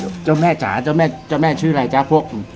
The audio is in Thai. เจ้าแม่จ๋าเจ้าแม่เจ้าแม่ชื่ออะไรจ๊ะพวก